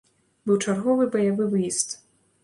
Быў чарговы баявы выезд.